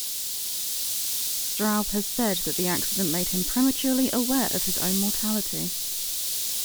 Straub has said that the accident made him prematurely aware of his own mortality.